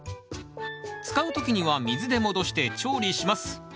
使う時には水で戻して調理します。